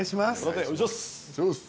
お願いします。